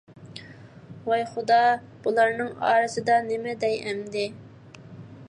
ۋاي خۇدا، بۇلارنىڭ ئارىسىدا نېمە دەي ئەمدى؟ !